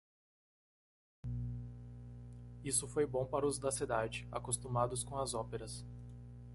Isso foi bom para os da cidade, acostumados com as óperas.